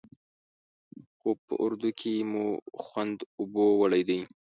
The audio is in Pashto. خو په اردو کې مو خوند اوبو وړی دی.